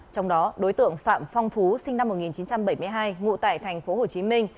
trong đó đối tượng phạm phong phú sinh năm một nghìn chín trăm bảy mươi hai ngụ tại tp hcm